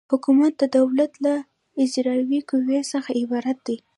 حکومت د دولت له اجرایوي قوې څخه عبارت دی.